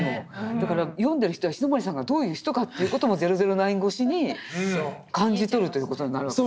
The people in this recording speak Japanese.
だから読んでる人は石森さんがどういう人かという事も「００９」越しに感じ取るという事になるわけですよね。